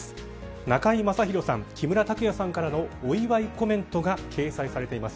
中居正広さん、木村拓哉さんからのお祝いコメントが掲載されています。